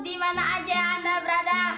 dimana aja anda berada